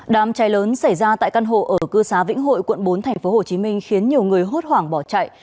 đám cháy lớn xảy ra tại căn hộ ở cư xá vĩnh hội quận bốn tp hcm khiến nhiều người hốt hoảng bỏ chạy